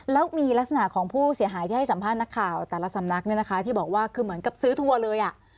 แล้วมีลักษณะของผู้เสียหายที่ให้สัมภาษณ์นักข่าวแต่ละสำนักเนี่ยนะคะที่บอกว่าคือเหมือนกับซื้อทัวร์เลยอ่ะ